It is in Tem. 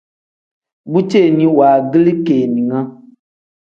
Bu ceeni wangilii keninga.